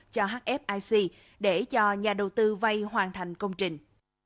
cho hfic để cho nhà đầu tư vay hoàn thành công trình